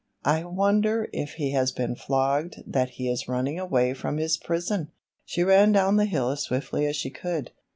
I wonder if he has been flogged that he is running away from his prison!" She ran down the hill as swiftly as she could.